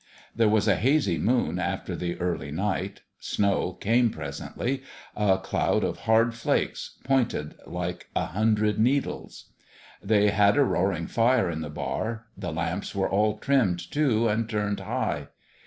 There was a hazy moon after the early night. Snow came presently : a cloud of hard flakes, pointed like a hundred needles. They had a roaring fire in the bar. The lamps were all trimmed, too, and turned high.